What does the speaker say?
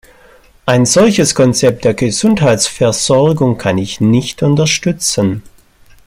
Ein solches Konzept der Gesundheitsversorgung kann ich nicht unterstützen.